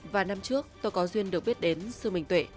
vài năm trước tôi có duyên được biết đến sư minh tuệ